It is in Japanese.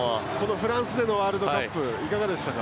フランスでのワールドカップいかがでしたか？